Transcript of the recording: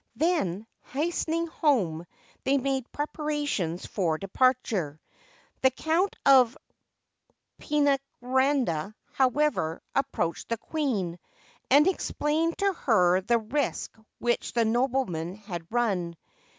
Then, hastening home, they made preparations for departure. The Count of Pena randa, however, approached the queen, and explained to her the risk which the noblemen had run.